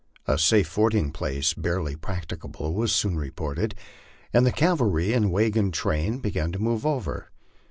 A safe ford ing place barely practicable was soon reported, and the cavalry and wagon train began moving over.